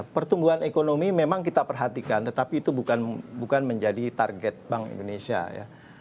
pertumbuhan ekonomi memang kita perhatikan tetapi itu bukan menjadi target bank indonesia ya